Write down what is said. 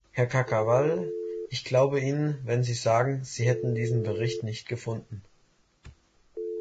Herr Caccavale, ich glaube Ihnen, wenn Sie sagen, Sie hätten diesen Bericht nicht gefunden.